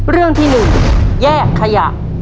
เรื่องที่๑แยกขยะ